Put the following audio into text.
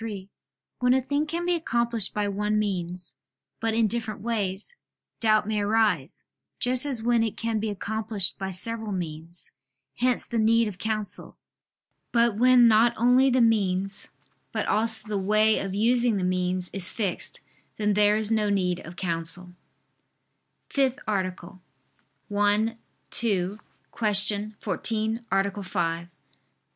3: When a thing can be accomplished by one means, but in different ways, doubt may arise, just as when it can be accomplished by several means: hence the need of counsel. But when not only the means, but also the way of using the means, is fixed, then there is no need of counsel. ________________________ FIFTH ARTICLE [I II, Q. 14, Art.